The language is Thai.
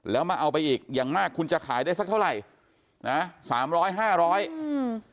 แล้วมาเอาไปอีกอย่างมากคุณจะขายได้สักเท่าไหร่นะสามร้อยห้าร้อยอืม